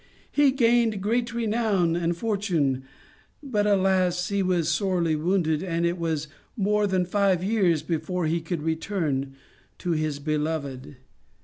He gained great renown and fortune, but, alas, he was sorely wounded, and it was more than five years before he could return to his beloved.